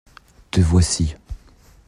Te voici.